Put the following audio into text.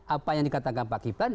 apa yang dikatakan pak kiplan